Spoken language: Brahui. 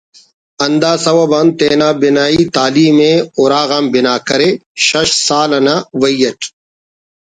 ہندا سوب آن تینا بنائی تعلیم ءِ اراغان بنا کرے شش سال نا وئی اٹ